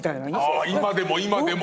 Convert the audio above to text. ああ今でも今でも。